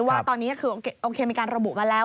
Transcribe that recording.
ว่าตอนนี้มีการระบุมาแล้ว